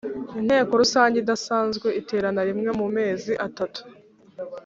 Inteko rusange idasanzwe iterana rimwe mu mezi atatu